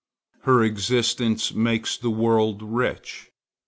Her existence makes the world rich.